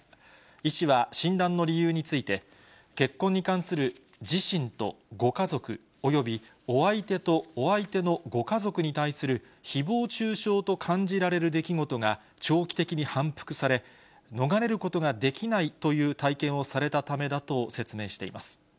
医師は診断の理由について、結婚に関する自身とご家族およびお相手とお相手のご家族に対するひぼう中傷と感じられる出来事が長期的に反復され、逃れることができないという体験をされたためだと説明しています。